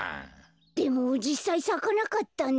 でもじっさいさかなかったんだ。